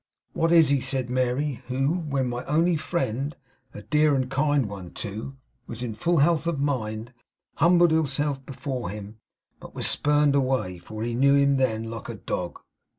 'What is he,' said Mary, 'who, when my only friend a dear and kind one, too was in full health of mind, humbled himself before him, but was spurned away (for he knew him then) like a dog.